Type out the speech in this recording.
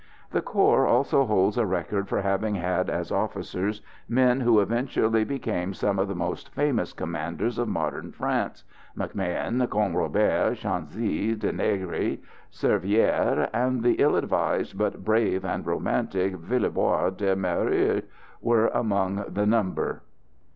The corps also holds a record for having had as officers men who eventually became some of the most famous commanders of modern France; MacMahon, Canrobert, Chanzy, De Négrier, Servière, and the ill advised but brave and romantic Villebois de Mareuil were amongst the number.